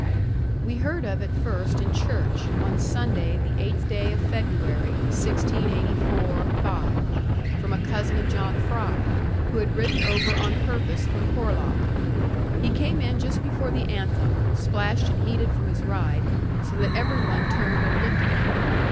We heard of it first in church, on Sunday, the eighth day of February, 1684 5, from a cousin of John Fry, who had ridden over on purpose from Porlock. He came in just before the anthem, splashed and heated from his ride, so that every one turned and looked at him.